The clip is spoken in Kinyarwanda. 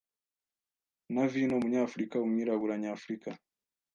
na vino Umunyafurika umwirabura nyafurika